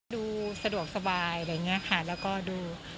ดูสะดวกสบายหาแล้วก็ดู